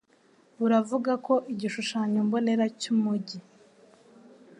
buravuga ko igishushanyo mbonera cy'Umugi